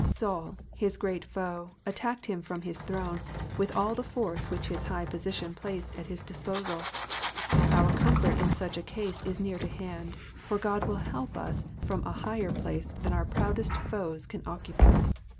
Saul, his great foe, attacked him from bis throne with all the force which his high position placed at his disposal : our comfort in such a case is near to hand, for God will iielp us from a higher place than our proudest foes can occupy.